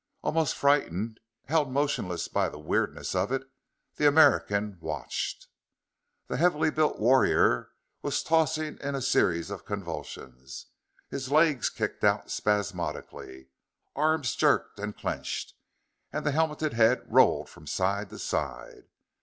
Almost frightened, held motionless by the weirdness of it, the American watched. The heavily built warrior was tossing in a series of convulsions. His legs kicked out spasmodically, arms jerked and clenched, and the helmeted head rolled from side to side.